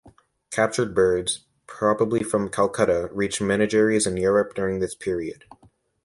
Captured birds, probably from Calcutta reached menageries in Europe during this period.